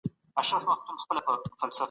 سیاستوال به په ګډه همکاري کوي.